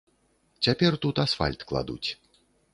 Цяпер тут асфальт кладуць.